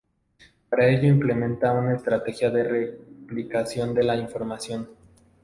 Para ello implementa una estrategia de replicación de la información.